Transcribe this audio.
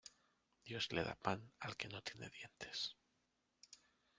Dios le da pan, al que no tiene dientes.